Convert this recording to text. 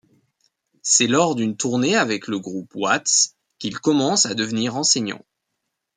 C'est lors d'une tournée avec le groupe de Watts qu'il commence à devenir enseignant.